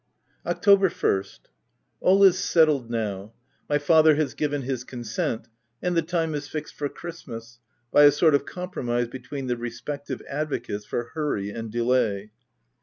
October 1st — All is settled now. My father has given his consent, and the time is fixed for Christmas, by a sort of compromise between the respective advocates for hurry and delay.